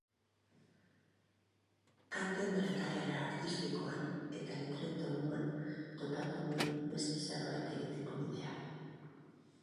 Kanten trataera artistikoan eta letren tonuan topatu nuen beste zerbait egiteko bidea.